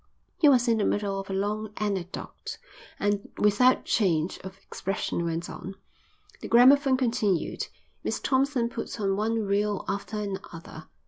He was in the middle of a long anecdote and without change of expression went on. The gramophone continued. Miss Thompson put on one reel after another.